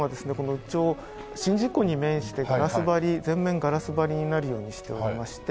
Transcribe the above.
一応宍道湖に面してガラス張り全面ガラス張りになるようにしておりまして。